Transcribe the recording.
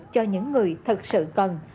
cho những người thật sự cần